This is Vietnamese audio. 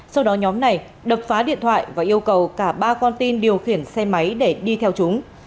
sau đó nhóm này đập phá điện thoại và yêu cầu cả ba con tin điều khiển xe máy để đi theo chúng